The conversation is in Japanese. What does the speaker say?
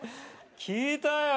聞いたよ